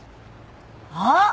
あっ！